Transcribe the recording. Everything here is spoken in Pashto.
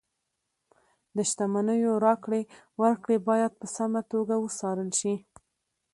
د شتمنیو راکړې ورکړې باید په سمه توګه وڅارل شي.